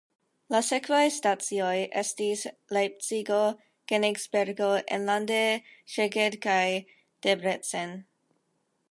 La sekvaj stacioj estis Lejpcigo, Kenigsbergo, enlande Szeged kaj Debrecen.